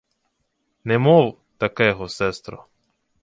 — Не мов такего, сестро.